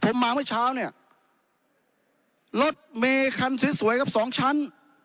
ผมมาเมื่อเช้าเนี่ยรถเมคันสวยสวยครับสองชั้น